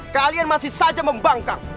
kalian masih saja membangkang